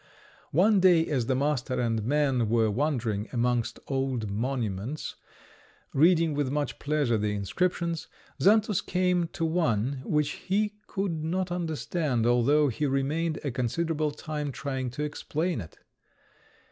One day as the master and man were wandering amongst old monuments, reading with much pleasure the inscriptions, Xantus came to one which he could not understand, although he remained a considerable time trying to explain it.